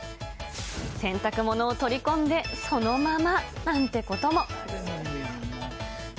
洗濯物を取り込んで、そのままなんてことも。